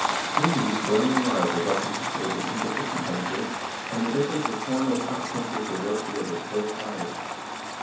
* In these, burning alive was often considered an insufficient penalty, and the victims were torn with hot pincers or roasted over slow fires.